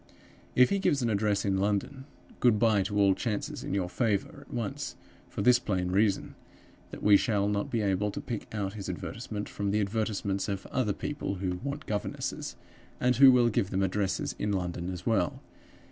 "If he gives an address in London, good by to all chances in your favor at once; for this plain reason, that we shall not be able to pick out his advertisement from the advertisements of other people who want governesses, and who will give them addresses in London as well.